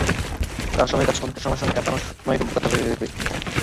তাঁর সময় কাটছে আনুশকা শর্মার সঙ্গে কাটানো সময়গুলোর কথা ভেবে ভেবে।